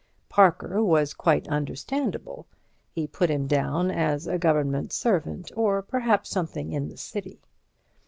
Parker was quite understandable; he put him down as a government servant, or perhaps something in the City.